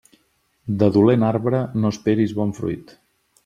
De dolent arbre, no esperis bon fruit.